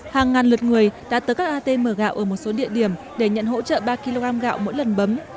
hàng ngàn lượt người đã tới các atm gạo ở một số địa điểm để nhận hỗ trợ ba kg gạo mỗi lần bấm